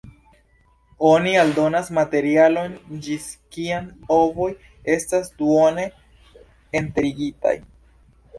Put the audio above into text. Oni aldonas materialon ĝis kiam ovoj estas duone enterigitaj.